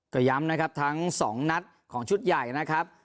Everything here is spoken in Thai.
ก็ย้ำนะครับทั้งสองนัดของชุดใหญ่นะครับ